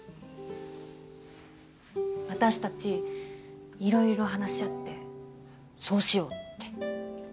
私たち色々話し合ってそうしようって。